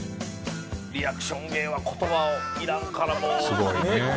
リアクション芸は言葉いらんからもうねっ！